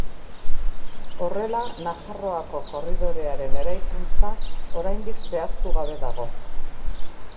Horrela, Nafarroako Korridorearen eraikuntza oraindik zehaztu gabe dago.